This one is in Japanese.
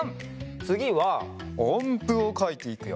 つぎはおんぷをかいていくよ。